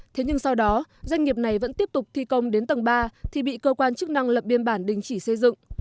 thế nhưng sau đó doanh nghiệp này vẫn tiếp tục thi công đến tầng ba thì bị cơ quan chức năng lập biên bản đình chỉ xây dựng